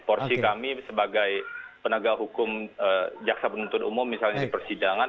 porsi kami sebagai penegak hukum jaksa penuntut umum misalnya di persidangan